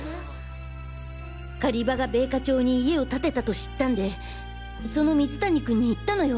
狩場が米花町に家を建てたと知ったんでその水谷君に言ったのよ